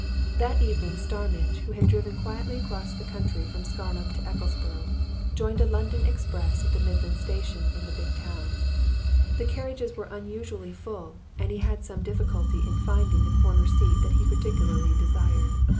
That evening, Starmidge, who had driven quietly across the country from Scarnham to Ecclesborough, joined a London express at the Midland Station in the big town. The carriages were unusually full, and he had some difficulty in finding the corner seat that he particularly desired.